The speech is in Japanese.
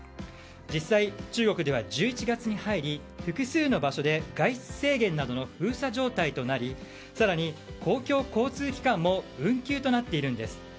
実際、中国では１１月に入り複数の場所で外出制限などの封鎖状態となり更に公共交通機関も運休となっているんです。